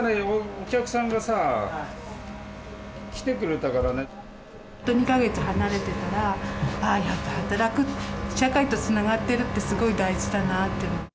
お客さんがさ、２か月離れてたら、ああ、やっぱ働く、社会とつながってるってすごい大事だなって。